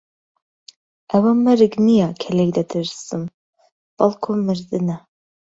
ئەوە مەرگ نییە کە لێی دەترسم، بەڵکوو مردنە.